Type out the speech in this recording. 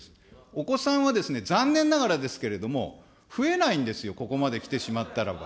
お子さんはですね、残念ながらですけれども、増えないんですよ、ここまで来てしまったらば。